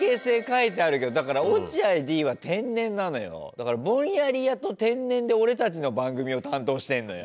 だからぼんやり屋と天然で俺たちの番組を担当してんのよ。